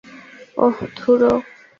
ওহ, ধুরো।